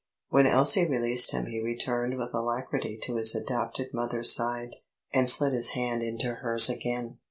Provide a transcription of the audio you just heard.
When Elsie released him he returned with alacrity to his adopted mother's side, and slid his hand into hers again.